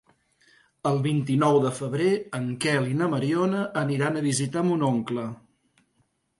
El vint-i-nou de febrer en Quel i na Mariona aniran a visitar mon oncle.